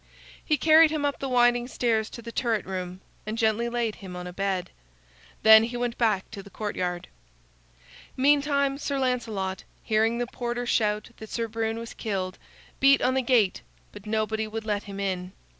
He carried him up the winding stairs to the turret room, and gently laid him on a bed. Then he went back to the courtyard. Meantime, Sir Lancelot, hearing the porter shout that Sir Brune was killed, beat on the gate, but nobody would let him in.